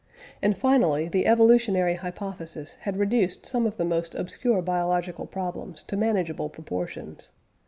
And, finally, the evolutionary hypothesis had reduced some of the most obscure biological problems to manageable proportions.